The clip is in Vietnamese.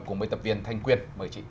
cùng với tập viên thanh quyền mời chị